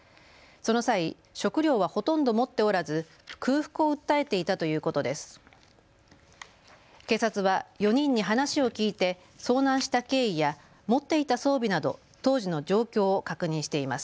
その際、食料はほとんど持っておらず空腹を訴えていたということです。